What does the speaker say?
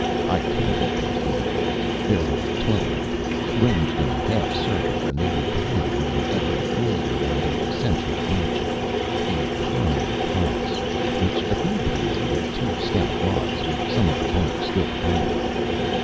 I counted those dancers. There were twelve of them, ranged in a half circle, and they were cavorting in evident glee around a central object a prone cross, which appeared to be made of two stout logs with some of the bark still upon them.